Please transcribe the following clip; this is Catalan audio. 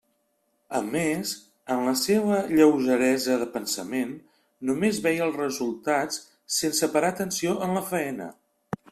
A més, en la seua lleugeresa de pensament, només veia els resultats, sense parar atenció en la faena.